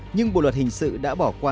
nhưng bộ luật hình sự đã bỏ qua